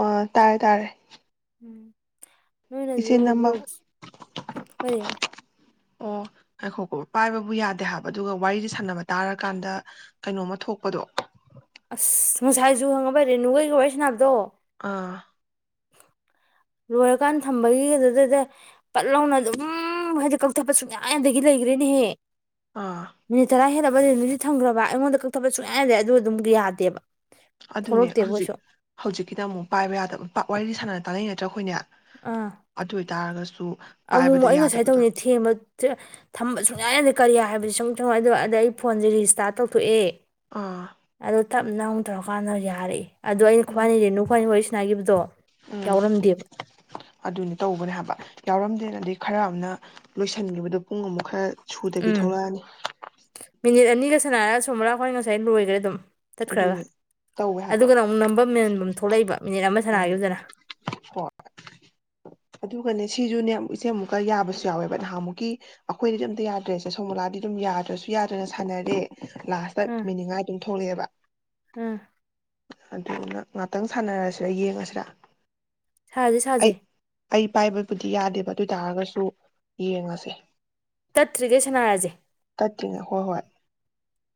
ꯑꯣ ꯇꯥꯔꯦ ꯇꯥꯔꯦ ꯎꯝ ꯏꯆꯦ ꯅꯣꯏꯅꯁꯨ ꯕ ꯅꯝꯕ ꯀꯔꯤ ꯑꯣ ꯉꯥꯏꯈꯣꯀꯣ ꯄꯥꯏꯕꯕꯨ ꯌꯥꯗꯦ ꯍꯥꯏꯕ ꯑꯗꯨꯒ ꯋꯥꯔꯤꯗꯤ ꯁꯥꯟꯅꯕ ꯇꯥꯔꯀꯥꯟꯗ ꯀꯩꯅꯣꯝꯃ ꯊꯣꯛꯄꯗꯣ ꯑꯁ ꯉꯥꯁꯥꯏꯁꯨ ꯈꯪꯉꯥꯕ ꯔꯦꯅꯨꯍꯣꯏꯒ ꯋꯥꯔꯤꯁꯅꯥꯅꯕꯗꯣ ꯑꯥ ꯂꯣꯏꯔꯀꯥꯟꯗ ꯊꯝꯕꯒꯤ ꯑꯗꯨꯗꯨꯗ ꯄꯠ ꯂꯥꯎꯅ ꯑꯗꯨꯝ ꯍꯥꯏꯗꯤ ꯀꯛꯊꯠꯄ ꯁꯨꯡꯌꯥꯏꯗꯒꯤ ꯂꯩꯈ꯭ꯔꯦꯅꯦꯍꯦ ꯑꯥ ꯃꯤꯅꯤ ꯇꯔ ꯍꯜꯂ ꯅꯨꯗꯤ ꯊꯪꯈ꯭ꯔꯕ ꯑꯩꯉꯣꯟꯗ ꯀꯛꯊꯕꯄ ꯁꯨꯡꯛꯌꯥ ꯗꯦ ꯑꯗꯨ ꯑꯗꯨꯝ ꯌꯥꯗꯦꯕ ꯑꯗꯨꯅꯦ ꯊꯣꯛꯂꯛꯇꯦꯕ ꯍꯧꯖꯤꯛ ꯀꯩꯁꯨ ꯍꯧꯖꯤꯛꯀꯤꯅ ꯑꯃꯨꯛ ꯄꯥꯏꯕ ꯌꯥꯗꯕ ꯄꯥꯛ ꯋꯥꯔꯤꯗꯤ ꯁꯥꯟꯅꯗꯦ ꯇꯥꯅꯩ ꯅꯇꯔ ꯑꯩꯈꯣꯏꯅꯤ ꯑꯗꯨ ꯑꯣꯏꯇꯥꯔꯒꯁꯨ ꯄꯥꯏꯕꯗ ꯑꯃꯨꯛꯃꯛ ꯑꯩꯩꯅ ꯉꯁꯥꯏ ꯌꯥꯗꯕꯗꯣ ꯇꯧꯗꯅꯦ ꯊꯦꯝꯕ ꯊꯝꯕ ꯁꯨꯡꯌꯥ ꯌꯥꯗꯦ ꯀꯔꯤꯌꯥ ꯍꯥꯏꯕꯗꯤ ꯁꯨꯝ ꯖꯨꯝ ꯑꯗꯣ ꯑꯗ ꯑꯩ ꯐꯣꯟꯁꯦ ꯔꯤꯁꯇꯔꯠ꯭ ꯇꯧꯊꯣꯛꯑꯦ ꯑꯥ ꯅꯪ ꯇꯧꯔꯀꯥꯟꯗ ꯌꯥꯔꯛꯏ ꯑꯗꯣ ꯑꯩ ꯎꯝ ꯈꯣꯏꯑꯥꯅꯤ ꯔꯦꯅꯨꯈꯣꯏꯑꯥꯅꯤ ꯋꯥꯔꯤꯁꯥꯅ ꯅꯥꯏꯉꯤꯕꯗꯣ ꯎꯝ ꯑꯗꯨꯅꯤ ꯇꯧꯕꯅꯦ ꯍꯥꯏꯕ ꯌꯥꯎꯔꯝꯗꯦꯅ ꯗꯤ ꯈꯔ ꯑꯃꯅ ꯂꯣꯏꯁꯤꯟꯈꯤꯕꯗꯣ ꯄꯨꯡ ꯑꯃꯨꯛ ꯈꯔ ꯁꯨꯗꯕꯤ ꯎꯝ ꯊꯣꯛꯂꯛꯑꯅꯤ ꯃꯤꯅꯤꯠ ꯑꯅꯤꯒ ꯁꯥꯟꯅꯔ ꯁꯣꯃꯣꯂꯥꯈꯣꯏ ꯉꯁꯥꯏ ꯂꯣꯏꯈ꯭ꯔꯦ ꯑꯗꯨꯝ ꯇꯠꯈ꯭ꯔꯒ ꯑꯗꯨꯅꯦ ꯇꯧꯋꯦ ꯍꯥꯏꯕ ꯑꯗꯨꯒ ꯑꯃꯨꯛ ꯅꯝꯕꯝ ꯃꯦꯟꯐꯝ ꯊꯣꯛꯂꯛꯏꯕ ꯃꯤꯅꯤꯠ ꯑꯃ ꯎꯝ ꯁꯥꯟꯅꯈꯤꯕꯗꯅ ꯍꯣꯏ ꯑꯗꯨꯒꯅꯦ ꯁꯤ ꯖꯨꯅꯦ ꯏꯆꯦ ꯑꯃꯨꯛꯀ ꯌꯥꯕꯁꯨ ꯌꯥꯎꯋꯦꯕ ꯅꯍꯥꯟꯃꯨꯛꯀꯤ ꯑꯩꯈꯣꯏꯗꯗꯤ ꯑꯝꯇ ꯌꯥꯗ꯭ꯔꯦꯁꯦ ꯁꯣꯃꯣꯂꯥꯗꯤ ꯑꯗꯨꯝ ꯌꯥꯗ꯭ꯔꯁꯨ ꯌꯥꯗ꯭ꯔꯅ ꯁꯥꯟꯅꯔꯦ ꯂꯥꯁꯇ ꯎꯝ ꯃꯦꯟꯅꯤꯡꯉꯥꯏ ꯑꯗꯨꯝ ꯊꯣꯛꯂꯛꯑꯦꯕ ꯎꯝ ꯑꯗꯨꯅ ꯉꯥꯛꯇꯪ ꯁꯥꯟꯅꯔꯁꯤ ꯗ ꯌꯦꯡꯉꯁꯤꯔꯥ ꯁꯥꯁꯦ ꯑꯩ ꯁꯥꯁꯦ ꯑꯩ ꯄꯥꯏꯕꯕꯨꯗꯤ ꯌꯥꯗꯦꯕ ꯑꯗꯨ ꯑꯣꯏ ꯇꯥꯔꯒꯁꯨ ꯌꯦꯡꯉꯁꯦ ꯇꯠꯇꯔ꯭ꯤꯒꯩ ꯁꯥꯟꯅꯔꯖꯦ ꯇꯠꯇ꯭ꯔꯤꯉꯩ ꯍꯣꯏ ꯍꯣꯏ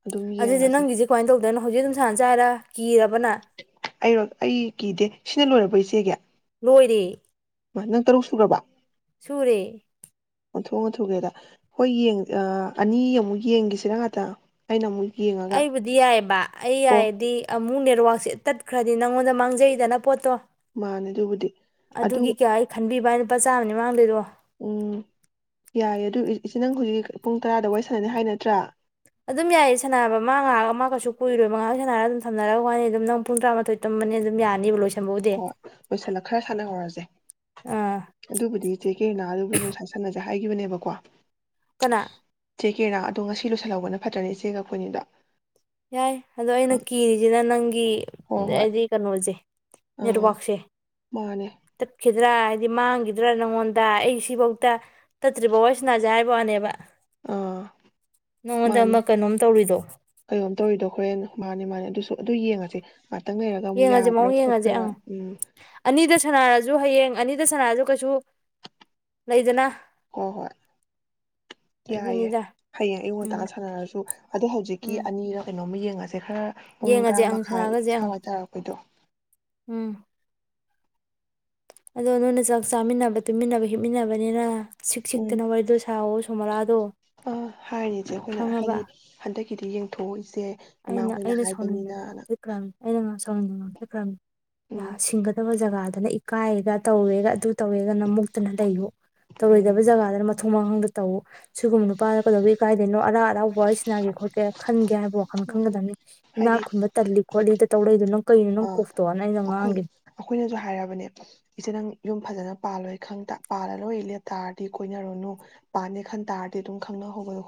ꯑꯗꯨꯝ ꯑꯗꯨꯗꯤ ꯌꯦꯡꯉꯁꯦ ꯅꯪꯒꯤꯁꯦ ꯀꯥꯃꯥꯏ ꯇꯧ ꯑꯗꯨꯅ ꯍꯧꯖꯤꯛ ꯑꯗꯨꯝ ꯁꯥꯟꯅꯁꯦ ꯍꯥꯏꯔꯥ ꯀꯤꯔꯕ ꯑꯩꯔꯣ ꯑꯩ ꯀꯤꯗꯦ ꯁꯤꯅ ꯂꯣꯏꯔꯕ ꯕꯣ ꯏꯆꯦꯒꯤ ꯂꯣꯏꯔꯦ ꯅꯪ ꯇꯔꯨꯛ ꯁꯨꯒꯔ꯭ꯕꯣ ꯁꯨꯨꯔꯦ ꯑꯣꯟꯊꯣꯛ ꯊꯨꯒꯔ꯭ꯦꯗ ꯍꯣꯏ ꯌꯦꯡ ꯑꯥ ꯑꯅꯤ ꯑꯃꯨꯛ ꯌꯦꯡꯒꯤꯁꯤꯔ ꯉꯥꯛꯇ ꯑꯩꯅ ꯑꯃꯨꯛ ꯌꯦꯡꯉꯒ ꯑꯩꯕꯨꯗꯤ ꯌꯥꯏꯌꯦꯕ ꯑꯩ ꯑꯣ ꯌꯥꯏꯗꯤ ꯑꯃꯨꯛ ꯅꯦꯠꯋꯥꯛ ꯁꯦ ꯇꯠꯈ꯭ꯔꯗꯤ ꯅꯪꯉꯣꯟꯗ ꯃꯥꯡꯖꯩꯗꯅ ꯄꯣꯠꯇꯣ ꯃꯥꯅꯦ ꯑꯗꯨꯕꯨꯗꯤ ꯑꯗꯨ ꯑꯗꯨꯒꯤ ꯀꯌꯥ ꯑꯩ ꯈꯟꯕꯤꯕ ꯋꯥꯅꯤ ꯂꯨꯄꯥ ꯆꯥꯝꯃꯅꯤ ꯃꯥꯡꯗꯨꯏꯗꯣ ꯎꯝ ꯌꯥꯏꯌꯦ ꯑꯗꯨ ꯏꯆꯦ ꯅꯪ ꯍꯧꯖꯤꯛ ꯄꯨꯡ ꯇꯔꯥꯗ ꯋꯥꯔꯤ ꯁꯥꯟꯅꯅꯤ ꯍꯥꯏ ꯅꯠꯇ꯭ꯔꯥ ꯑꯗꯨꯝ ꯌꯥꯏꯌꯦ ꯁꯥꯟꯅꯕ ꯃꯥ ꯉꯥꯏꯍꯥꯛ ꯑꯃ ꯀꯩꯁꯨ ꯀꯨꯏꯔꯣꯏ ꯉꯥꯏꯍꯥꯛ ꯁꯥꯟꯔꯒ ꯑꯗꯨꯝ ꯊꯝꯅꯔꯒ ꯋꯥꯔꯤ ꯑꯗꯨꯝ ꯅꯪ ꯄꯨꯡ ꯇꯔꯥꯃꯥꯊꯣꯏ ꯇꯨꯝꯃꯅꯤ ꯑꯗꯨꯝ ꯌꯥꯅꯤꯕ ꯂꯣꯏ ꯍꯣꯏ ꯂꯣꯏꯁꯤꯜꯂ ꯈꯔ ꯁꯥꯟꯅꯍꯧꯔꯁꯦ ꯑꯥ ꯑꯗꯨꯕꯨꯗꯤ ꯏꯆꯦ [unintelligible] ꯍꯥꯏꯈꯤꯕꯅꯦꯕꯀꯣ ꯀꯅꯥ ꯀꯦꯔꯥ ꯑꯗꯣ ꯉꯁꯤ ꯂꯣꯏꯁꯤꯜꯍꯧꯕꯅ ꯐꯠꯇ꯭ꯔꯅꯦ ꯏꯆꯦꯒ ꯑꯩꯈꯣꯏꯅꯤꯗꯣ ꯌꯥꯏ ꯑꯗꯣ ꯑ ꯑꯩꯅ ꯀꯤꯔꯤꯁꯤꯅ ꯅꯪꯒꯤ ꯍꯣꯏ ꯍꯣꯏ ꯍꯥꯏꯗꯤ ꯀꯩꯅꯣꯖꯦ ꯑꯥ ꯃꯥꯅꯦ ꯇꯠꯈꯤꯗ꯭ꯔꯥ ꯍꯥꯏꯗꯤ ꯃꯥꯡꯈꯤꯗ꯭ꯔꯥ ꯅꯪꯉꯣꯟꯗ ꯑꯩ ꯁꯤꯐꯧꯇ ꯇꯠꯇ꯭ꯔꯤꯕꯥꯎ ꯋꯥꯔꯤ ꯁꯥꯟꯅꯁꯦ ꯍꯥꯏꯕꯥꯅꯦꯕ ꯑꯥ ꯅꯉꯣꯟꯗ ꯑꯃ ꯃꯥꯅꯦ ꯀꯩꯅꯣꯝ ꯇꯧꯔꯤꯗꯣ ꯀꯩꯅꯣꯝ ꯇꯧꯔꯤꯗꯣ ꯍꯣꯏ ꯃꯥꯅꯦ ꯃꯥꯅꯦ ꯑꯗꯨꯁꯨ ꯑꯗꯨ ꯌꯦꯡꯉꯁꯤ ꯉꯍꯥꯛꯇꯪ ꯂꯩꯔꯒ ꯑꯃꯨꯛ ꯌꯦꯡꯉꯁꯦ ꯌꯥꯕ꯭ꯔꯥ ꯈꯣꯠꯄ꯭ꯔꯥ ꯎꯝ ꯁꯥꯟꯅꯔꯖꯨ ꯍꯌꯦꯡ ꯑꯅꯤꯗ ꯁꯥꯟꯅꯔꯖꯨ ꯀꯩꯁꯨ ꯂꯩꯗꯅ ꯍꯣ ꯍꯣꯏ ꯌꯥꯏꯌꯦ ꯑꯗꯨꯅꯤꯗ ꯍꯌꯦꯡ ꯑꯌꯨꯛ ꯎꯝ ꯉꯟꯇꯥ ꯁꯥꯟꯅꯔꯁꯨ ꯑꯗꯣ ꯍꯧꯖꯤꯛꯀꯤ ꯎꯝ ꯑꯅꯤꯔ ꯀꯩꯅꯣꯝꯃ ꯌꯦꯡꯉ ꯁꯦ ꯈꯔ ꯄꯨꯡ ꯌꯦꯡꯉꯁꯦ ꯇꯔꯥ ꯑꯪ ꯃꯈꯥꯏ ꯁꯥꯟꯅꯒꯁꯦ ꯑꯪ ꯁꯥꯋꯥꯏ ꯇꯥꯔꯛꯄꯦꯗꫭ ꯎꯝ ꯑꯗꯣ ꯅꯣꯏꯅ ꯆꯥꯛ ꯆꯥꯃꯤꯟꯅꯕ ꯇꯨꯃꯤꯟꯅꯕ ꯍꯤꯞꯃꯤꯟꯅꯕꯅꯤꯅ ꯎꯝ ꯁꯤꯛꯁꯤꯛꯇꯅ ꯋꯥꯔꯤꯗꫭ ꯁꯥꯋꫭ ꯀꯥꯃꯥꯂꯗꫭ ꯑ ꯍꯥꯏꯔꯤꯖꯦ ꯑꯩꯈꯣꯏꯅ ꯍꯥꯏꯗꯤ ꯍꯟꯗꯛ ꯈꯤꯗꯤ ꯌꯦꯡꯊꯣꯛꯑꯣ ꯑꯩꯅ ꯑꯩꯅ ꯁꯥꯎꯅꯤꯡꯗꯅ ꯉꯡꯊꯠꯈ꯭ꯔꯅꯤ ꯑꯩꯅ ꯉ [unintelligible] ꯌꯥ ꯎꯝ ꯁꯤꯡꯒꯗꯕ ꯖꯒꯥꯗ [unintelligible] ꯀꯥꯏꯌꯦꯒ ꯇꯧꯋꯦꯒ ꯑꯗꯨ ꯇꯧꯋꯦꯒꯅ ꯃꯨꯛꯇꯅ ꯂꯩꯌꯨ ꯇꯧꯔꯣꯏꯗꯕ ꯖꯒꯥꯗꯅ ꯃꯊꯣꯡ ꯃꯔꯝ ꯇꯧꯋꫭ ꯁꯤꯒꯨꯝꯕ ꯅꯨꯄꯥꯗ ꯀꯩꯗꯧꯕꯩ ꯏꯀꯥꯏꯗꫭꯏꯅꯣ ꯑꯔꯥ ꯋꯔꯤ ꯁꯥꯟꯅꯒꯦ ꯈꯣꯠꯀꯦ ꯈꯟꯒꯦ ꯍꯥꯏꯕ ꯍꯥꯟꯅ ꯃꯥꯅꯤ ꯈꯪꯒꯗꯕꯅꯤ ꯏꯅꯥꯛ ꯈꯨꯟꯕ ꯇꯜꯂꯤ ꯈꯣꯠꯂꯤ ꯇꯧꯔ ꯑꯗꯨꯅꯪ ꯑꯥ ꯑꯩꯈꯣꯏ ꯑꯩꯈꯣꯏꯅꯁꯨ ꯍꯥꯏꯔꯕꯅꯦ ꯏꯆꯦ ꯅꯪ ꯌꯨꯝ ꯐꯖꯅ ꯄꯥꯜꯂꯣꯏ ꯈꯪꯇ ꯄꯥꯜꯂꯔꫭꯏ ꯂꯦꯞ ꯇꯥꯔꯗꯤ ꯀꯣꯏꯅꯔꯨꯅꯨ ꯄꯥꯅꯦ ꯈꯟ ꯇꯥꯔꯗꯤ ꯑꯗꯨꯝ ꯈꯪꯅꯍꯧꯕ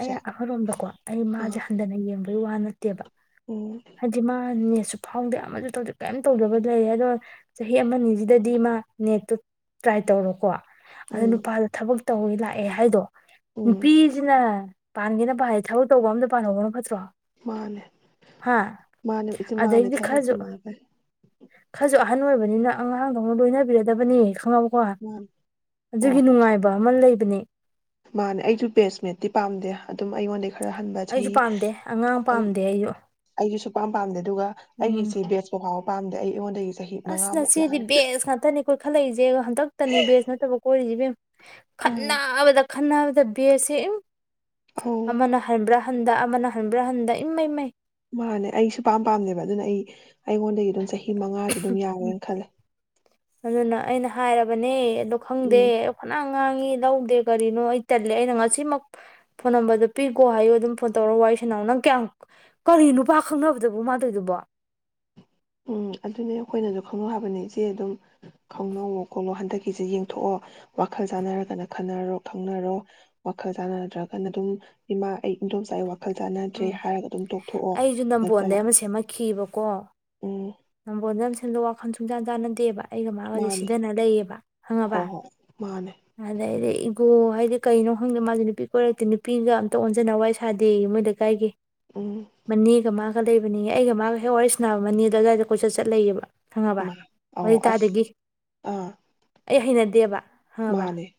ꯑꯩꯅ ꯑꯍꯜꯔꯣꯝꯗꯀꯣ ꯑꯩ ꯃꯥꯖꯦ ꯑꯥ ꯍꯟꯗꯅ ꯌꯦꯡꯕ ꯑꯩꯩ ꯋꯥꯅ ꯇꯦꯕ ꯎꯝ ꯍꯥꯏꯗꯤ ꯃꯥ ꯁꯨ ꯐꯥꯎꯗꯦ ꯑꯃꯖꯨ ꯇꯧꯗꯦ ꯀꯔꯤꯝ ꯇꯧꯗꯕ ꯂꯩꯔꯒ ꯆꯍꯤ ꯑꯃ ꯑꯅꯤꯖꯤꯗꯗꯤ ꯃꯥ ꯅꯦꯠꯇꯨ ꯇ꯭ꯔꯥꯏ ꯇꯧꯔꯣꯀꯣ ꯑꯗꯨ ꯎꯝ ꯅꯨꯄꯥꯗ ꯊꯕꯛ ꯇꯧꯋꯦ ꯂꯥꯛꯑꯦ ꯍꯥꯏꯗꯣ ꯎꯝ ꯅꯨꯄꯤꯖꯤꯅ ꯄꯥꯟꯒꯦꯅ ꯄꯥꯜꯂꯗꯤ ꯊꯕꯛ ꯇꯧꯕ ꯑꯝꯗ ꯄꯥꯟꯍꯧꯕꯅ ꯐꯠꯇ꯭ꯔꯣ ꯃꯥꯅꯦ ꯍꯥ ꯃꯥꯅꯦ ꯏꯆꯦ ꯃꯥꯅꯦ ꯑꯗꯩꯗꯤ ꯊꯕꯛ ꯈꯔꯁꯨ ꯇꯧꯕꯅ ꯐꯩ ꯈꯔꯁꯨ ꯑꯍꯟ ꯑꯣꯏꯕꯅꯤꯅ ꯑꯉꯥꯡꯗꯧꯅ ꯂꯣꯏꯅꯕꯤꯔꯗꯕꯅꯤ ꯈꯪꯉꯥꯕ ꯀꯣ ꯃꯥꯅꯦ ꯑꯗꯨꯒꯤ ꯍꯣꯏ ꯅꯨꯡꯉꯥꯏꯕ ꯑꯃ ꯂꯩꯕ ꯑꯅꯤ ꯃꯥꯅꯦ ꯑꯩꯁꯨ ꯕꯦꯁꯃꯦꯠꯇꯤ ꯄꯥꯝꯗꯦ ꯑꯗꯨꯝ ꯑꯩꯉꯣꯟꯗ ꯈꯔ ꯍꯟꯕ ꯑꯩꯁꯨ ꯆꯍꯤ ꯄꯥꯝꯗꯦ ꯑꯉꯥꯡ ꯑꯩ ꯄꯥꯝꯗꯦ ꯑꯩꯁꯨ ꯑꯩꯁꯨꯁꯨꯄꯥꯝ ꯄꯥꯝꯗꯦ ꯑꯗꯨꯒ ꯑꯩꯒꯤ ꯎꯝ ꯏꯆꯦ ꯕꯦꯁꯄꯥꯎ ꯄꯥꯝꯗꯦ ꯑꯩꯉꯣꯟꯗꯒꯤ ꯆꯍꯤ ꯑꯁ ꯃꯉꯥꯃꯨꯛ ꯅꯆꯦꯗꯤ ꯌꯥꯔꯦ ꯕꯦꯖ ꯉꯥꯛꯇꯅꯤ ꯀꯣꯏꯈꯠꯂꯛꯏꯁꯦ ꯍꯟꯗꯛꯇꯅꯤ ꯕꯦꯖ ꯅꯠꯇꯕ ꯀꯣꯏꯔꯤꯁꯤ ꯏꯕꯦꯝꯃ꯫ ꯑꯥ ꯈꯟꯅꯥꯕꯗ ꯈꯟꯅꯅꯕꯗ ꯕꯦꯁꯁꯦ ꯑꯝ ꯑꯧ ꯑꯃꯅ ꯍꯟꯕ꯭ꯔꯥ ꯍꯟꯗ ꯑꯃꯅ ꯍꯟꯕ꯭ꯔꯥ ꯍꯟꯗ ꯏꯃꯩ ꯃꯩ ꯃꯥꯅꯦ ꯑꯩꯁꯨ ꯄꯥꯝ ꯄꯥꯝꯅꯦꯕ ꯑꯗꯨꯅ ꯑꯩꯉꯣꯟꯗꯒꯤ ꯑꯗꯨꯝ ꯆꯍꯤ ꯆꯍꯤ ꯃꯉꯥꯁꯦ ꯑꯗꯨꯝ ꯌꯥꯔꯦꯅ ꯈꯜꯂꯦ ꯑꯗꯨꯅ ꯑꯩꯅ ꯍꯥꯏꯔꯕꯅꯦ ꯑꯣ ꯈꯪꯗꯦ ꯎꯝ ꯐꯅ ꯉꯥꯡꯉꯤ ꯂꯧꯗꯦ ꯀꯔꯤꯅꯣ ꯑꯩ ꯇꯜꯂꯦ ꯑꯩꯅ ꯉꯁꯤꯃꯛ ꯐꯣꯟ ꯅꯝꯕꯔꯗꯣ ꯄꯤꯈꯣ ꯍꯥꯏꯌꯣ ꯑꯗꯨꯝ ꯐꯣꯟ ꯇꯧꯔꯒ ꯋꯥꯔꯤ ꯁꯅꯥꯎ ꯅꯪ ꯀꯌꯥꯝ ꯀꯔꯤ ꯅꯨꯄꯥ ꯈꯪꯅꯕꯗꯕꯨ ꯃꯥꯥꯅ ꯇꯧꯔꯤꯗꯨꯕꯣ꯫ ꯎꯝ ꯑꯗꯨꯅꯦ ꯑꯩꯈꯣꯏꯅꯁꯨ ꯈꯪꯅꯧ ꯍꯥꯏꯕꯅꯦ ꯏꯆꯦ ꯑꯗꯨꯝ ꯈꯪꯅꯧꯋꯣ ꯈꯣꯠꯂꯣ ꯍꯟꯗꯛꯀꯤꯁꯤꯦ ꯌꯦꯡꯊꯣꯛꯑꯣ ꯋꯥꯈꯜ ꯆꯥꯅꯔꯒꯅ ꯈꯟꯅꯔꯣ ꯈꯪꯅꯔꯣ ꯋꯥꯈꯜ ꯆꯥꯟꯅꯗ꯭ꯔꯒꯅ ꯑꯗꯨꯝ ꯏꯃꯥ ꯑꯩ ꯏꯗꯣꯝꯆꯥ ꯋꯥꯈꯜ ꯆꯥꯟꯅꯗ꯭ꯔꯦ ꯎꯝ ꯍꯥꯏꯔꯒ ꯑꯗꯨꯝ ꯇꯣꯛꯊꯣꯛꯑꯣ ꯑꯩꯁꯨ ꯅꯠꯇ ꯅꯝꯕꯣꯟꯗꯩ ꯑꯃ ꯁꯦꯝꯃꯛꯈꯤꯕꯀꯣ ꯎꯝ ꯅꯝꯕꯣꯟ ꯅꯝꯁꯦꯜꯗꯣ ꯋꯥꯈꯜ ꯁꯨꯡꯆꯥꯟ ꯆꯥꯟꯅꯗꯦꯕ ꯑꯩꯒ ꯃꯥꯒꯁꯦ ꯃꯥꯅꯦ ꯁꯤꯗꯅ ꯂꯩꯌꯦꯕ ꯍꯣ ꯈꯪꯉꯕ ꯍꯣꯏ ꯃꯥꯅꯦ ꯑꯗꯩꯗꯤ ꯏꯒꯣ ꯍꯥꯏꯗꯤ ꯀꯩꯅꯣ ꯈꯪꯗꯦ ꯃꯥꯁꯦ ꯅꯨꯄꯤ ꯀꯣꯏꯔꯛꯇꯦ ꯅꯨꯄꯤꯒ ꯑꯝꯇ ꯑꯣꯟꯖꯟꯅ ꯋꯥꯔꯤꯏ ꯁꯥꯗꯦ ꯃꯣꯏ ꯂꯩꯀꯥꯏꯒꯤ ꯎꯝ ꯃꯅꯦꯒ ꯃꯥ ꯂꯩꯕꯅꯤ ꯑꯩꯒ ꯃꯥꯒ ꯍꯦꯛ ꯋꯥꯔꯤ ꯁꯥꯟꯅꯕ ꯃꯅꯦꯗꯣ ꯑꯗꯨꯋꯥꯏꯗ ꯀꯣꯏꯆꯠ ꯆꯠ ꯂꯩꯌꯦꯕ ꯃꯥ ꯈꯪꯉꯕ ꯑꯧ ꯋꯥꯔꯤ ꯑꯁ ꯇꯥꯗꯣꯏꯒꯤ ꯑꯥ ꯑꯩ ꯍꯩꯅꯗꯦꯕ ꯈꯪꯉꯕ ꯃꯥꯅꯦ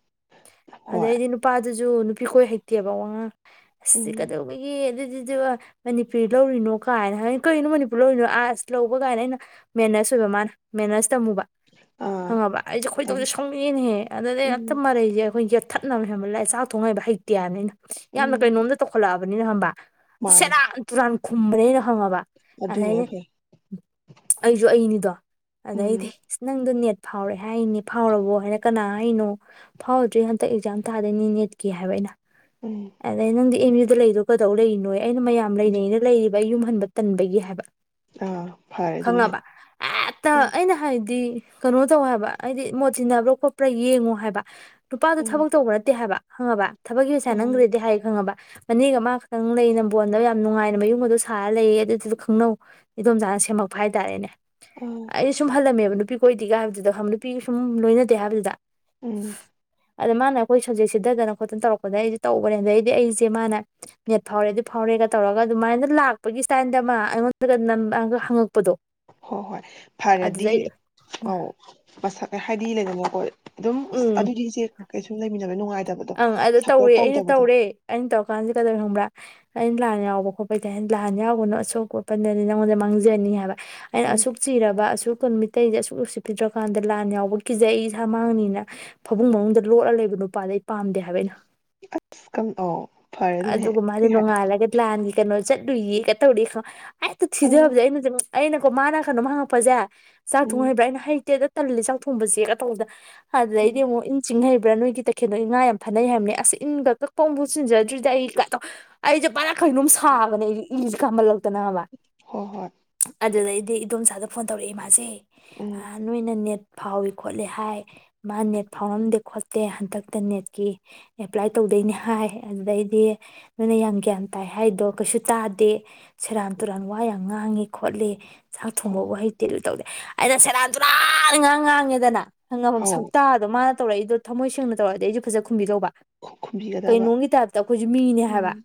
ꯍꯣꯏ ꯑꯗꯗꯤ ꯅꯨꯄꯥ ꯑꯗꯨ ꯨ ꯁꯨ ꯅꯨꯄꯤꯈꯣꯏ ꯍꯩꯇꯦꯕ ꯋꯥꯉꯥꯡ ꯑꯁ ꯁꯤ ꯎꯝ ꯀꯗꯧꯋꯤꯒꯦ ꯑꯗꯨ ꯑꯗꯨꯗꯤ ꯃꯅꯤꯄꯨꯔꯤ ꯂꯧꯔꯤꯅꯣ ꯀꯥꯏꯅ ꯍꯥꯏꯅ ꯀꯔꯤꯅꯣ ꯃꯅꯤꯄꯨꯔ ꯂꯧꯔꯤꯅꯣ ꯑꯥꯔꯁ ꯂꯧꯕ ꯀꯥꯏꯅ ꯑꯩꯅ ꯃꯦꯅꯦꯁ ꯑꯣꯏꯕ ꯃꯥꯅ ꯃꯦ ꯇꯝꯃꯨꯕ ꯑꯥ ꯈꯪꯉꯕ ꯑꯩꯁꯦ ꯈꯣꯏꯗꯧꯁꯦ ꯎꯝ ꯁꯧꯉꯅꯦꯍꯦ ꯑꯗꯨꯗꯩ ꯑꯛꯇ ꯎꯝ ꯃꯔꯩꯁꯦ ꯑꯩꯈꯣꯏ ꯌꯦ ꯊꯠꯅꯕ ꯍꯦꯟꯕ ꯂꯑꯦ ꯆꯥꯛ ꯊꯣꯡꯅꯛꯏꯕ ꯍꯩꯇꯦ ꯍꯥꯏꯅ ꯑꯩꯅ ꯌꯥꯝꯅ ꯎꯝ ꯀꯩꯅꯣꯝꯇ ꯇꯧꯈꯠꯂꯛꯑꯕ ꯑꯗꯨꯅꯍ ꯃꯥꯅꯦ ꯁꯔꯥꯟꯇꯨ ꯈꯨꯝꯕꯅꯦ ꯑꯩꯅ ꯈꯪꯉꯕ ꯑꯗꯨꯅ ꯑꯗꯩꯗꯤ ꯍꯦꯛ ꯐꯩ ꯑꯩꯁꯨ ꯑꯩꯅꯤꯗꯣ ꯑꯗꯩꯩꯗꯤ ꯎꯝ ꯅꯪ ꯅꯪꯗꯣ ꯅꯦꯠ ꯐꯥꯎꯔꯦ ꯍꯥꯏꯅꯦ ꯐꯥꯎꯔꯕꯣ ꯍꯥꯏꯔꯦ ꯀꯅꯥ ꯍꯥꯏꯔꯤꯅꯣ ꯐꯥꯎꯗ꯭ꯔꯤ ꯍꯟꯗꯛ ꯑꯦꯛꯖꯥꯝ ꯊꯥꯗꯣꯏꯅꯤ ꯅꯦꯠꯀꯤ ꯍꯥꯏꯕ ꯑꯩꯅ ꯎꯝ ꯑꯗꯩꯩ ꯅꯪꯗꯤ ꯑꯦꯝ ꯌꯨ ꯗ ꯂꯩꯗꯣ ꯀꯩꯗꯧ ꯂꯩꯔꯤꯅꯣꯌꯦ ꯑꯩꯅ ꯃꯌꯥꯝ ꯎꯝ ꯂꯩꯅꯩꯅ ꯂꯩꯔꯤꯕ ꯌꯨꯝꯍꯟꯕ ꯇꯟꯕꯒꯤ ꯍꯥꯏꯕ ꯑꯥ ꯐꯔꯦ ꯑꯗꯨꯅ ꯍꯦꯛ ꯈꯪꯉꯕ ꯍꯦꯛꯇ ꯎꯝ ꯑꯩꯅ ꯍꯥꯏꯗꯤ ꯀꯩꯅꯣ ꯇꯧ ꯍꯥꯏꯕ ꯍꯥꯏꯗꯤ ꯃꯣꯠ ꯇꯤꯟꯅꯕ꯭ꯔꯥ ꯈꯣꯠꯄ꯭ꯔꯥ ꯌꯦꯡꯉꯣ ꯍꯥꯏꯕ ꯅꯨꯄꯥꯗꯣ ꯎꯝ ꯊꯕꯛ ꯇꯧꯕ ꯅꯠꯇꯦ ꯍꯥꯏꯕ ꯈꯪꯉꯕ ꯊꯕꯛꯀꯤ ꯄꯩꯁꯥ ꯑꯥ ꯅꯝꯈ꯭ꯔꯦꯗꯤ ꯍꯥꯏ ꯈꯪꯉꯕ ꯃꯅꯦꯒ ꯃꯥꯒ ꯈꯛꯇꯪ ꯂꯩ ꯅꯝꯕꯣꯟꯗ ꯌꯥꯝ ꯅꯨꯡꯉꯥꯏꯅ ꯃꯌꯨꯝꯒꯗꯣ ꯁꯥꯔꯒ ꯂꯩꯌꯦ ꯑꯗꯨꯗꯨꯗ ꯈꯪꯅꯧ ꯏꯗꯣꯝꯆꯥꯅ ꯁꯦꯝꯃꯛꯄ ꯍꯥꯏꯇꯥꯔꯦꯅꯦ ꯑꯥ ꯑꯩ ꯁꯨꯝ ꯍꯜꯂꯝꯃꯦꯕ ꯅꯨꯄꯤ ꯀꯣꯏꯗꯦꯒ ꯍꯥꯏꯕꯗꯨꯗ ꯈ ꯅꯨꯄꯤ ꯁꯨꯝ ꯂꯣꯏꯅꯗꯦ ꯍꯥꯏꯕꯗꯨꯗ ꯎꯝ ꯑꯗ ꯃꯥꯅ ꯑꯩꯈꯣꯏ ꯁꯕꯖꯦꯛ ꯁꯤꯊꯗꯅ ꯈꯣꯠꯇꯅ ꯇꯧꯔꯛꯄꯗ ꯑꯩꯁꯦ ꯇꯧꯕꯅꯦ ꯑꯗꯩꯗꯤ ꯑꯩꯁꯦ ꯃꯥꯅ ꯅꯦꯠ ꯐꯥꯎꯔꯦ ꯑꯗꯨ ꯐꯥꯎꯔꯦꯒ ꯇꯧꯔꯒ ꯑꯗꯨꯃꯥꯏꯅ ꯂꯥꯛꯄꯒꯤ ꯏꯁꯇꯥꯏꯜꯗ ꯑꯃ ꯑꯩꯉꯣꯟꯗꯒ ꯅꯝ ꯥꯑꯒ ꯍꯪꯉꯛꯄꯗꯣ ꯍꯣꯏ ꯍꯣꯏ ꯐꯔꯗꯤ ꯑꯗꯨꯗꯩ ꯑꯧ ꯃꯁꯛ ꯍꯥꯏꯗꯤ ꯂꯩꯗꯅꯀꯣ ꯑꯗꯨꯝ ꯎꯝ ꯑꯗꯨꯗꯤ ꯏꯆꯦ ꯀꯩꯁꯨꯨꯝ ꯂꯩꯃꯤꯟꯅ ꯅꯨꯡꯉꯥꯏ ꯑꯪ ꯑꯗꯨ ꯇꯧꯔꯦ ꯑꯩꯅ ꯇꯧꯔꯦ ꯑꯩꯅ ꯇꯧꯔꯀꯥꯟꯁꯤꯗ ꯀꯩꯗꯧꯋꯤ ꯈꯪꯕ꯭ꯔꯥ ꯑꯩꯅ ꯂꯥꯟ ꯌꯥꯎꯕ ꯈꯣꯠꯄꯩꯗꯤ ꯂꯥꯟ ꯌꯥꯎꯒꯅꯣ ꯑꯁꯣꯛ ꯑꯄꯟꯗꯗꯤ ꯅꯉꯣꯟꯗ ꯃꯥꯡꯖꯅꯤ ꯍꯥꯏꯕ ꯑꯩꯅ ꯎꯝ ꯑꯁꯨꯛ ꯆꯤꯔꯕ ꯑꯁꯨꯛ [unintelligible] ꯃꯩꯇꯩꯁꯦ ꯑꯁꯨꯛ ꯎꯁꯤꯠꯄꯤꯗ꯭ꯔꯀꯥꯟꯗ ꯂꯥꯟ ꯌꯥꯎꯕ ꯀꯤꯖꯩ ꯑꯩ ꯏꯁꯥ ꯃꯥꯡꯅꯤꯅ ꯐꯃꯨꯡ ꯃꯅꯨꯡꯗ ꯂꯣꯠꯂ ꯂꯩꯕ ꯅꯨꯄꯥꯗꯣ ꯑꯩ ꯄꯥꯝꯗꯦ ꯍꯥꯏꯕ ꯑꯩꯅ ꯑꯁ ꯀꯝ ꯑꯧ ꯐꯔꯦ ꯑꯗꯨꯅ ꯍꯦꯛ ꯑꯗꯨꯒ ꯃꯥꯗꯤ ꯀꯩ ꯍꯥꯏ ꯅꯣꯡꯉꯥꯜꯂꯒꯗꯤ ꯂꯥꯟꯒꯤ ꯀꯩꯅꯣ ꯆꯠꯂꯨꯏꯌꯦ ꯀ ꯇꯧꯔꯛꯑꯦ ꯍꯦꯛꯇ ꯎꯝ ꯊꯤꯙꯕꯁꯦ ꯑꯩꯅ ꯑꯩꯅꯀꯣ ꯃꯥꯅ ꯀꯩꯅꯣꯝ ꯍꯪꯉꯛꯄꯁꯦ ꯆꯥꯛ ꯊꯣꯡ ꯎꯝ ꯍꯩꯔꯕ꯭ꯔ ꯑꯩꯅ ꯍꯩꯇꯦꯗ ꯇꯜꯂꯦ ꯆꯥꯛ ꯊꯣꯡꯕꯁꯦ ꯀ ꯇꯧꯗꯅ ꯎꯝ ꯑꯗꯨꯗꯩꯗꯤ ꯑꯃꯨꯛ ꯏꯟ ꯆꯤꯡ ꯍꯩꯕꯔ꯭ ꯅꯣꯏꯗꯤ ꯇꯈꯦꯜ ꯑ ꯉꯥ ꯌꯥꯝ ꯐꯅꯩ ꯍꯥꯏꯕꯅꯤ ꯑꯁ ꯏꯟꯒ ꯑꯃꯨꯛꯐꯥꯎ ꯆꯤꯡ ꯖꯗ꯭ꯔꯤ ꯑꯩ ꯑꯩꯁ ꯕꯔꯥ ꯕꯔ ꯀꯩꯅꯣꯝ ꯁꯥꯒꯅꯦ ꯑꯩꯗꯤ ꯏꯁꯦ ꯀꯥꯝꯃꯜꯂꯛꯇꯅꯕ ꯍꯣꯏ ꯍꯣꯏ ꯑꯗꯨꯗꯩꯗꯤ ꯏꯗꯣꯝꯆꯥꯗ ꯐꯣꯟ ꯇꯧꯔꯛꯑꯦ ꯃꯥꯁꯦ ꯎꯝ ꯑ ꯅꯣꯏꯅ ꯅꯦꯠ ꯐꯥꯎꯏ ꯈꯣꯠꯂꯤ ꯍꯥꯏ ꯃꯥ ꯅꯦꯠ ꯐꯥꯎꯔꯝꯗꯦ ꯈꯣꯠꯇꯦ ꯍꯟꯗꯛ ꯏꯟꯇꯔꯅꯦꯠꯀꯤ ꯑꯦꯄ꯭ꯂꯥꯏ ꯇꯧꯗꯣꯏꯅꯤ ꯍꯥꯏ ꯑꯗꯨꯗꯩꯗꯤ ꯅꯣꯏꯅ ꯌꯥꯝ ꯒ꯭ꯌꯥꯟ ꯇꯥꯏ ꯍꯥꯏꯗꯣ ꯀꯩꯁꯨ ꯇꯥꯗꯦ ꯁꯦꯔꯥꯟ ꯇꯨꯔꯥꯟ ꯋꯥ ꯌꯥꯝ ꯉꯥꯡꯉꯤ ꯈꯣꯠꯂꯤ ꯆꯥꯛ ꯊꯣꯡꯕ ꯍꯣꯏ ꯋꯥꯍꯩ ꯇꯜꯂꯨ ꯇꯧꯗꯦ ꯑꯩꯅ ꯁꯦꯔꯥꯟ ꯇꯨꯔꯥꯟ ꯉꯥꯡ ꯉꯥꯡꯉꯦꯗꯅ ꯍꯪꯉꯕ ꯑꯧ ꯁꯛꯇꯇꯥꯗꯣ ꯃꯥ ꯇꯧꯔꯛꯏꯗꯣ ꯊꯃꯣꯏ ꯁꯦꯡꯅ ꯇꯧꯔꯗꯤ ꯑꯩꯁꯨ ꯐꯖ ꯈꯨꯝꯕꯤꯗꯧꯕ ꯈꯨꯝꯕꯤꯒꯗꯕ ꯀꯩꯅꯣꯝꯒꯤ ꯇꯥꯏꯞꯇ ꯑꯩꯈꯣꯏꯁꯨ ꯃꯤꯅꯦ ꯍꯥꯏꯕ ꯎꯝ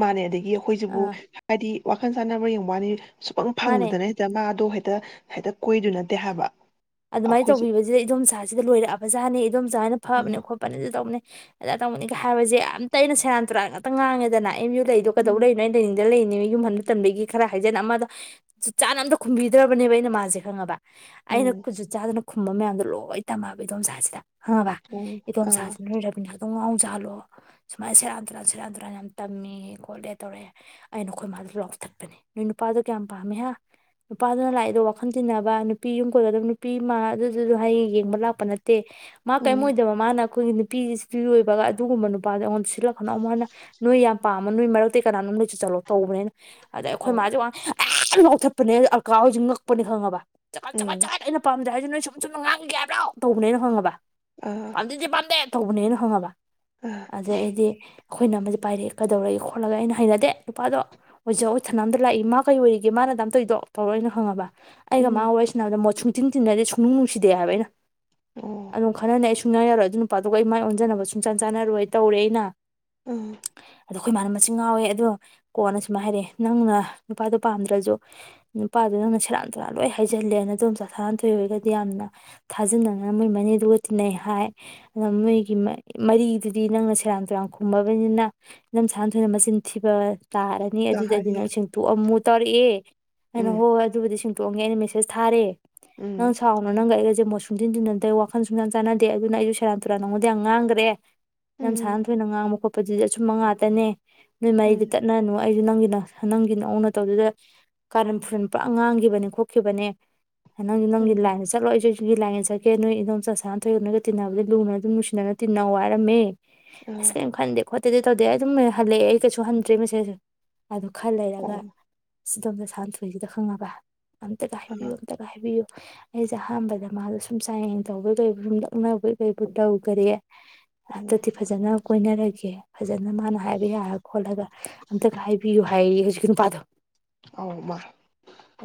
ꯃꯥꯅꯦ ꯑꯗꯒꯤ ꯑꯩꯈꯣꯏꯁꯤꯕꯨ ꯑꯥ ꯍꯥꯏꯗꯤ ꯋꯥꯈꯜ ꯆꯥꯟꯅꯕ ꯌꯦꯡꯕ ꯋꯥꯅꯤ ꯁꯨꯛ ꯃꯥꯅꯦ ꯐꯪꯗꯅ ꯍꯦꯛꯇ ꯃꯥꯗꯣ ꯍꯥꯏ ꯍꯦꯛꯇ ꯍꯦꯛꯇ ꯀꯣꯏꯗꯨ ꯅꯠꯇꯦ ꯍꯥꯏꯕ ꯑꯗꯨꯃꯥꯏꯅ ꯑꯩꯈꯣꯏꯁꯨ ꯇꯧꯕꯤꯕꯁꯤꯗ ꯏꯗꯣꯝꯆꯥꯁꯤꯗ ꯂꯣꯏꯔꯛꯑꯕ ꯖꯥꯠꯅꯦ ꯏꯗꯣꯝꯆꯥ ꯍꯥꯏꯅ ꯐꯕꯅꯦ ꯎꯝ ꯈꯣꯠꯄꯅꯦ ꯑꯗꯨ ꯇꯧꯕꯅꯦ ꯑꯗ ꯇꯣꯅꯤꯒ ꯍꯥꯏꯕꯁꯦ ꯑꯝꯇ ꯑꯩꯅ ꯁꯦꯔꯥꯟ ꯇꯨꯔꯥꯟ ꯉꯥꯛꯇ ꯉꯥꯡꯉꯦꯗꯅ ꯑꯦꯝ ꯌꯨ ꯀ ꯑꯩꯗꯣ ꯀꯗꯧ ꯎꯝ ꯂꯩꯅꯣ ꯑꯩꯅ ꯂꯩꯅꯤꯡ ꯗ ꯂꯩꯅꯦ ꯌꯨꯝꯍꯟꯕ ꯃꯇꯝꯗꯒꯤ ꯈꯔ ꯍꯥꯏꯖꯟ ꯑꯃꯗ ꯆ ꯆꯥꯅ ꯑꯝꯇ ꯈꯨꯝꯕꯤꯗ꯭ꯔꯕꯅꯦꯕ ꯑꯩꯅ ꯃꯥꯁꯦ ꯈꯪꯉꯕ ꯑꯩꯅ ꯎꯝ ꯀ ꯆꯥ ꯑꯗꯨꯅ ꯈꯨꯝꯕ ꯃꯌꯥꯝꯗꯣ ꯂꯣꯏ ꯇꯝꯃꯛꯑꯕ ꯏꯗꯣꯝꯖꯥꯁꯤꯗ ꯈꯪꯉꯕ ꯎꯝ ꯑꯥ ꯢꯗꯣꯝꯆꯥꯖꯤꯅ ꯑꯗꯨꯝ ꯉꯥꯎꯖꯥꯍꯜꯂꯣ ꯁꯨꯃꯥꯏꯅ ꯁꯦꯔꯥ ꯗꯨꯔꯥꯟ ꯁꯦꯔꯥꯥꯟ ꯗꯨꯨꯔꯥꯟ ꯌꯥꯝ ꯇꯝꯃꯦ ꯈꯣꯠꯂꯦ ꯇꯧꯔꯛꯑꯦ ꯑꯩꯅ ꯅꯈꯣꯏ ꯃꯥꯜꯗ ꯂꯥꯎꯊꯠꯄꯅꯦ ꯅꯣꯏ ꯅꯨꯄꯥꯗꯣ ꯀꯌꯥꯝ ꯄꯥꯝꯃꯦ ꯍꯥ ꯅꯨꯄꯥꯗꯨꯅ ꯂꯥꯛꯏꯗꯣ ꯋꯥꯈꯜ ꯇꯤꯟꯅꯕ ꯅꯨꯄꯤ ꯌꯨꯝ ꯀꯣꯏꯒꯗꯕ ꯅꯨ ꯅꯨꯄꯤꯃ ꯑꯗꯨꯗꯨꯗ ꯍꯌꯦꯡ ꯌꯦꯡꯕ ꯂꯥꯛꯄ ꯅꯠꯇꯦ ꯃꯥ ꯀꯩꯝ ꯎꯝ ꯑꯣꯏꯗꯕ ꯃꯥ ꯅ ꯑꯩꯈꯣꯏꯒꯤ ꯅꯨꯄꯤꯁꯄꯤꯔꯣꯏꯕꯒ ꯑꯗꯨꯒꯨꯝꯕ ꯅꯨꯄꯥꯗ ꯑꯩꯉꯣꯟꯗ ꯁꯤꯜꯂꯀꯅꯨ ꯑꯃꯨꯛ ꯍꯟꯅ ꯅꯣꯢ ꯌꯥꯝ ꯄꯥꯝꯃ ꯅꯣꯏ ꯃꯔꯛꯇꯩ ꯀꯅꯥꯅꯣꯝꯃ ꯂꯩ ꯁ ꯆꯠꯂꯣ ꯇꯧꯕꯅꯦ ꯑꯩꯅ ꯑꯗꯩꯩ ꯑꯩꯈꯣꯏ ꯑꯧ ꯃꯥꯁꯦ ꯋꯥ ꯑꯁ ꯂꯥꯎꯊꯠꯄꯅꯦ ꯑꯜꯀꯥ ꯍꯣꯏꯖꯦ ꯉꯛꯄꯅꯦ ꯈꯪꯉꯕ ꯆꯒꯠ ꯆꯒꯠ ꯎꯝ ꯆꯒꯠ ꯑꯩꯅ ꯈꯨꯝꯗ꯭ꯔꯦ ꯍꯥꯏꯔꯁꯨ ꯅꯣꯏ ꯁꯨꯝ ꯁꯨꯝꯅ ꯉꯥꯡꯒꯤꯒꯦ ꯍꯥꯏꯕ꯭ꯔꯣ ꯇꯧꯕꯅꯦ ꯑꯩꯅ ꯈꯪꯉꯕ ꯑꯥ ꯄꯥꯝꯗꯦꯗꯤ ꯄꯥꯝꯗꯦ ꯇꯧꯕꯅꯦ ꯑꯩꯅ ꯈꯪꯉꯕ ꯑꯥ ꯑꯗꯩ ꯑꯩꯗꯤ ꯑꯩꯈꯣꯏ ꯏꯅꯝꯃꯖꯦ ꯄꯥꯏꯔꯛꯑꯦ ꯀꯩꯗꯧꯔꯒꯦ ꯈꯣꯠꯂꯒꯩꯅ ꯑꯩꯅ ꯍꯩꯅꯗꯦ ꯅꯨꯄꯥꯗꯣ ꯑꯣꯏꯖ ꯑꯣꯏꯊꯅꯥꯝꯗ ꯂꯥꯛꯏ ꯃꯥ ꯀꯩ ꯑꯣꯏꯔꯤꯒꯦ ꯃꯥꯅ ꯑꯗꯥꯝ ꯇꯧꯏꯗꯣ ꯇꯧꯔ ꯑꯩꯅ ꯈꯪꯉꯕ ꯑꯩꯒ ꯎꯝ ꯃꯥꯒ ꯋꯥꯔꯤ ꯁꯥꯟꯅꯕꯗ ꯃꯣꯠ ꯁꯨꯡ ꯇꯤꯟ ꯇꯤꯟꯅꯗꯦ ꯁꯨꯡꯅꯨꯡ ꯅꯨꯡꯁꯤꯗꯦ ꯍꯥꯏꯕ ꯑꯩꯅ ꯑꯣ ꯑꯗꯨꯝ ꯈꯠꯅꯅꯤ ꯑꯩ ꯁꯨꯡ ꯁꯨꯡꯌꯥ ꯌꯥꯔꯣꯏ ꯑꯗꯨ ꯅꯨꯄꯥꯗꯨꯒ ꯑꯩ ꯃꯥꯏ ꯑꯣꯟꯖꯟꯅꯕ ꯁꯨꯡꯆꯥꯟ ꯆꯥꯟꯅꯔꯣꯏ ꯇꯧꯔꯦ ꯑꯩꯅ ꯎꯝ ꯑꯗꯣ ꯑꯩꯈꯣꯏ ꯃꯥꯅ ꯃꯁꯤ ꯉꯥꯎꯋꯦ ꯑꯗꯣ ꯀꯣꯟꯅ ꯁꯨꯃꯥꯏ ꯍꯥꯏꯔꯛꯑꯦ ꯅꯪꯅ ꯅꯨꯄꯥꯗꯣ ꯄꯥꯝꯗ꯭ꯔꯖꯨ ꯅꯨꯄꯥꯗꯨꯗ ꯅꯪꯅ ꯁꯦꯔꯥꯟ ꯇꯨꯔꯥꯟ ꯂꯣꯏ ꯍꯥꯏꯖꯤꯜꯂꯦ ꯅꯗꯣꯝꯆꯥ ꯁꯥꯟꯅꯊꯣꯏ ꯍꯣꯏꯒꯗꯤ ꯌꯥꯝꯅ ꯊꯥꯖꯅꯅ ꯃꯣꯏ ꯃꯅꯦꯗꯨꯒ ꯇꯤꯟꯅꯩ ꯍꯥꯏ ꯑ ꯃꯣꯏꯒꯤ ꯃ ꯃꯔꯤꯗꯨꯗꯤ ꯅꯪꯅ ꯁꯦꯔꯥꯟ ꯇꯨꯔꯥꯟ ꯈꯨꯝꯃꯕꯅꯤꯅ ꯅꯝ ꯁꯥꯟꯊꯣꯏꯅ ꯃꯆꯤꯟ ꯊꯤꯕ ꯇꯥꯔꯅꯤ ꯑꯗꯨꯗꯗꯤ ꯅꯪ ꯇꯍꯥꯔꯤ ꯁꯦꯡꯇꯣꯛꯑꯝꯃꯨ ꯇꯥꯔꯤꯌꯦ ꯑꯩꯅ ꯎꯝ ꯍꯣꯏ ꯍꯣꯏ ꯑꯗꯨꯕꯨꯗꯤ ꯁꯦꯡ ꯇꯣꯡꯉꯦ ꯑꯩꯅ ꯃꯦꯁꯦꯖ ꯊꯥꯔꯦ ꯅꯪ ꯎꯝ ꯁꯥꯎꯅꯨ ꯅꯪꯒ ꯑꯩꯒꯖꯦ ꯑꯩꯁꯦ ꯃꯣꯠ ꯁꯨꯡꯇꯤꯟ ꯇꯤꯟꯅꯗꯦ ꯋꯥꯈꯜ ꯁꯨꯡꯆꯥꯟ ꯆꯥꯟꯅꯗꯦ ꯑꯗꯨꯅ ꯑꯩꯁꯨ ꯁꯦꯔꯥꯟ ꯇꯨꯔꯥꯟ ꯅꯉꯣꯟꯗ ꯌꯥꯝ ꯉꯥꯡꯒ꯭ꯔꯦ ꯏꯅꯝ ꯎꯝ ꯁꯥꯟꯅꯊꯣꯏꯅ ꯉꯥꯡꯕ ꯈꯣꯠ ꯄꯗꯨꯗꯤ ꯑꯆꯨꯝꯕ ꯉꯥꯇꯅꯦ ꯅꯣꯏ ꯃꯔꯤꯗꯤ ꯎꯝ ꯇꯠꯅꯅꯨ ꯑꯩꯖꯨ ꯅꯪꯒꯤ ꯅ ꯅꯪꯒꯤ ꯅꯑꯣꯡ ꯅꯇꯧꯗꯨꯗ ꯀꯥꯔꯟ ꯐꯨꯔꯟ ꯄꯨꯔꯥ ꯉꯥꯡꯈꯤꯕꯅꯦ ꯈꯣꯠꯈꯤꯕꯅꯦ ꯅꯪꯖꯨ ꯅꯪꯒꯤ ꯎꯝ ꯂꯥꯏꯟꯗ ꯆꯠꯂꯣ ꯑꯩꯖꯨ ꯑꯩ ꯁꯤꯒꯤ ꯂꯥꯏꯟꯗ ꯆꯠꯀꯦ ꯅꯣꯏ ꯏꯟꯗꯣꯝꯆꯥ ꯁꯥꯟꯅꯊꯣꯏꯒ ꯅꯣꯏꯒ ꯇꯤꯟꯅꯕꯗꯨ ꯂꯨꯅ ꯑꯗꯨꯝ ꯅꯨꯡꯁꯤꯅꯅ ꯇꯤꯟꯅꯧ ꯍꯥꯏꯔꯝꯃꯦ ꯑꯁ ꯑꯥ ꯀꯔꯤꯝ ꯈꯟꯗꯦ ꯈꯣꯠ ꯇꯧꯗꯦ ꯇꯧꯗꯦ ꯑꯩ ꯑꯗꯨꯝ ꯍꯜꯂꯛꯑꯦ ꯑꯩ ꯀꯩꯁꯨ ꯍꯟꯗ꯭ꯔꯦ ꯃꯦꯁꯦꯖ ꯑꯗꯨ ꯈꯔ ꯂꯩꯔꯒ ꯑꯣ ꯑꯁ ꯏꯟꯗꯣꯝꯆꯥ ꯁꯥꯟꯅꯊꯣꯏꯁꯤꯗ ꯈꯪꯉꯕ ꯑꯝꯇꯒ ꯑꯥ ꯍꯥꯏꯕꯤꯌꯣ ꯍꯥꯏꯕꯤꯌꯨ ꯑꯩꯁꯦ ꯑꯍꯥꯟꯕꯗ ꯃꯥꯗꯣ ꯁꯨꯝ ꯆꯥꯡꯌꯦꯡ ꯇꯧꯕꯣꯏ ꯀꯩꯕꯣꯏ ꯁꯨꯝ ꯂꯛꯅꯕꯣꯏ ꯀꯩꯕꯣꯏ ꯇꯧꯒꯔꯦ ꯎꯝ ꯍꯟꯇꯛꯇꯤ ꯐꯖꯅ ꯀꯣꯏꯅꯔꯒꯦ ꯐꯖ ꯐꯖꯅ ꯃꯥꯅ ꯍꯥꯏꯕ ꯌꯥꯔ ꯈꯣꯠꯂꯒ ꯑꯝꯇꯒ ꯍꯥꯏꯕꯤꯌꯨ ꯍꯥꯏꯌꯦ ꯍꯨꯖꯤꯛ ꯍꯨꯖꯤꯛꯀꯤ ꯅꯨꯄꯥꯥꯗꯣ ꯑꯧ ꯃꯥ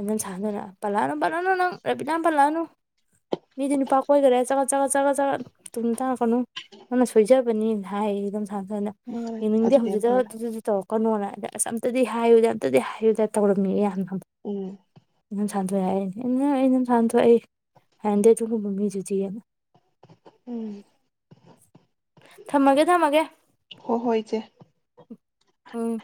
ꯏꯅꯝ ꯁꯥꯟꯅꯊꯣꯏꯅ ꯄꯂꯥꯅꯝꯕꯔ ꯔꯅ ꯅꯪ ꯔꯦꯕꯤꯗꯥꯝ ꯄꯜꯂꯛꯑꯅꯨ ꯃꯤꯗꯤ ꯅꯨꯄꯥ ꯀꯣꯏꯒꯔꯦ ꯆꯒꯠ ꯆꯒꯠ ꯆꯒꯠ ꯆꯒꯠ ꯇꯨꯡꯗ ꯇꯧꯔꯛꯀꯅꯨ ꯅꯪꯅ ꯁꯣꯏꯖꯕꯅꯤ ꯅ ꯍꯥꯏꯌꯦ ꯏꯟꯗꯣꯝꯆꯥꯅ ꯊꯥꯖꯅ ꯃꯥꯅꯦ ꯌꯦꯡꯅꯤꯡꯗꯦ ꯑꯗꯨꯅꯦ ꯍꯧꯖꯤꯛꯇ ꯐꯔꯦ ꯗꯨ ꯗꯨ ꯗꯨ ꯇꯧꯔꯛ ꯀꯅꯣꯂꯥꯗꯥ ꯑꯁ ꯑꯝꯇꯗꯤ ꯍꯥꯏꯌꯨꯗ ꯑꯝꯇꯗꯤ ꯍꯥꯏꯌꯨꯗ ꯇꯧꯔꯝꯃꯦꯌꯦ ꯌꯥꯝꯅ ꯂꯧꯁꯤꯟꯕ ꯎꯝ ꯉꯝꯗꯕ ꯄꯥꯟꯊꯣꯏ ꯍꯥꯏꯔꯩꯅꯦ ꯑꯩꯅ ꯑꯩ ꯅꯪ ꯁꯥꯟꯊꯣꯏ ꯑꯩ ꯍꯩꯅꯗꯦ ꯑꯗꯨꯒꯨꯝꯕ ꯃꯤꯗꯨꯗꯤꯑꯅ ꯎꯝ ꯊꯝꯃꯒꯦ ꯊꯝꯃꯒꯦ ꯍꯣꯏ ꯍꯣꯏ ꯏꯆꯦ ꯎꯝ